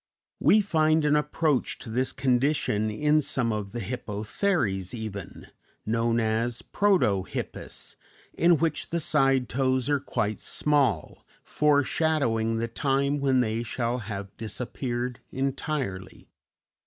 We find an approach to this condition in some of the Hippotheres even, known as Protohippus, in which the side toes are quite small, foreshadowing the time when they shall have disappeared entirely.